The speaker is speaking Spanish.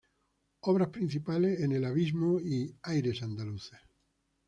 Obras principales: "En el abismo" y "Aires andaluces".